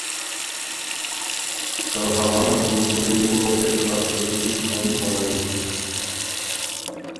که هوا نر بُو بُري او بېژه لاسته دی بو بمبی غؤرَوی